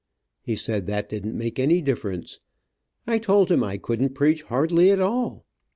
He said that didn't make any difference. I told him I couldn't preach hardly at all.